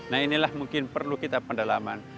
nah inilah mungkin perlu kita pendalaman